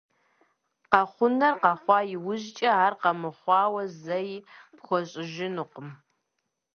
Къэхъунур къэхъуа иужькӀэ, ар къэмыхъуауэ зэи пхуэщӀыжынукъым.